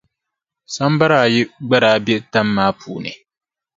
Sambara ayi gba daa be tam maa puuni.